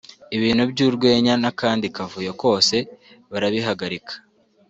ibintu by'urwenya n'akandi kavuyo kose barabihagarika